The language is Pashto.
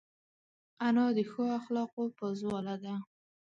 انا د ښو اخلاقو پازواله ده